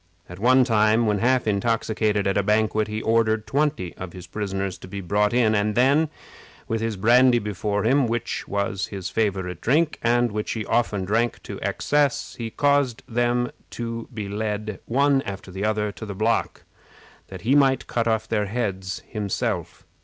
At one time, when half intoxicated at a banquet, he ordered twenty of his prisoners to be brought in, and then, with his brandy before him, which was his favorite drink, and which he often drank to excess, he caused them to be led, one after another, to the block, that he might cut off their heads himself.